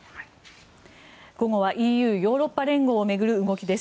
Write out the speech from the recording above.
午後はＥＵ・ヨーロッパ連合を巡る動きです。